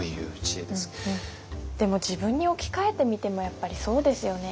でも自分に置き換えてみてもやっぱりそうですよね。